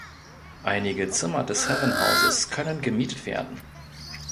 Einige Zimmer des Herrenhauses können gemietet werden.